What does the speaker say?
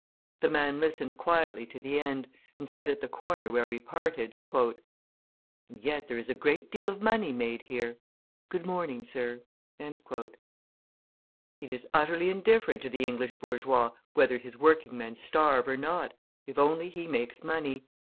The man listened quietly to the end, and said at the corner where we parted: "And yet there is a great deal of money made here; good morning, sir." It is utterly indifferent to the English bourgeois whether his working men starve or not, if only he makes money.